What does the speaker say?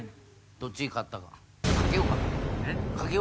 どっち勝ったか。